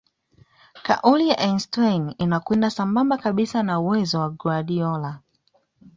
kauli ya Einstein inakwenda sambamba kabisa na uwezo wa Guardiola